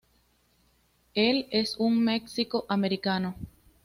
Él es un mexico-americano.